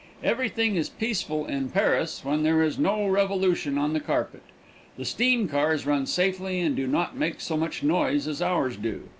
Everything is peaceful in Paris when there is no revolution on the carpet. The steam cars run safely and do not make so much noise as ours do.